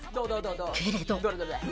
けれど。